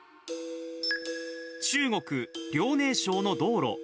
中国・遼寧省の道路。